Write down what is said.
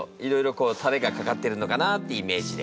こうたれがかかってるのかなってイメージで。